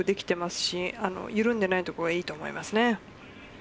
しっかりストロークできていますし緩んでないところがいいと思いますね。